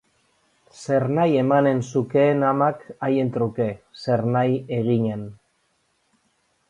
Zernahi emanen zukeen amak haien truke, zernahi eginen.